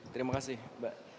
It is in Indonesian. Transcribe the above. terima kasih mbak